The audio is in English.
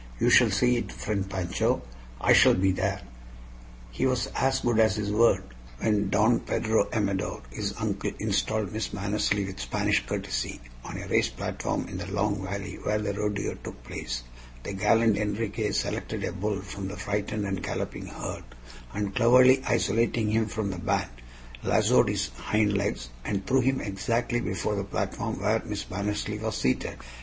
You shall see it, friend Pancho. I shall be there." He was as good as his word. When Don Pedro Amador, his uncle, installed Miss Mannersley, with Spanish courtesy, on a raised platform in the long valley where the rodeo took place, the gallant Enriquez selected a bull from the frightened and galloping herd, and, cleverly isolating him from the band, lassoed his hind legs, and threw him exactly before the platform where Miss Mannersley was seated.